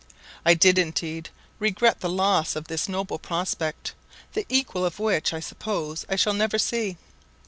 I did, indeed, regret the loss of this noble prospect, the equal of which I suppose I shall never see.